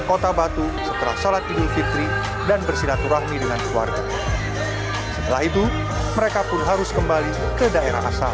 kota batu setelah sholat idul fitri dan bersilaturahmi dengan keluarga setelah itu mereka pun harus kembali ke daerah asal